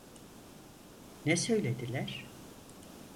Ne söylediler?